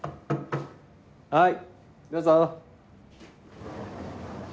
はいどうぞ。